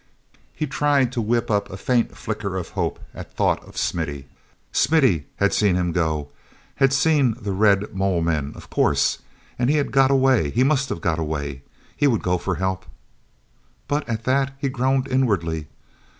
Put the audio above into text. He tried to whip up a faint flicker of hope at thought of Smithy. Smithy had seen him go, had seen the red mole men, of course. And he had got away—he must have got away! He would go for help.... But, at that, he groaned inwardly.